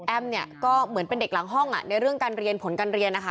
เนี่ยก็เหมือนเป็นเด็กหลังห้องในเรื่องการเรียนผลการเรียนนะคะ